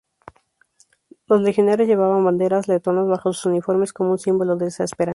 Los legionarios llevaban banderas letonas bajo sus uniformes como un símbolo de esa esperanza.